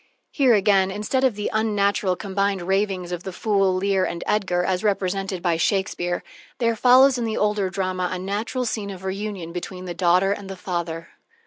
Here, again, instead of the unnatural combined ravings of the fool, Lear, and Edgar, as represented by Shakespeare, there follows in the older drama a natural scene of reunion between the daughter and the father.